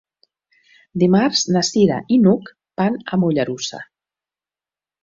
Dimarts na Cira i n'Hug van a Mollerussa.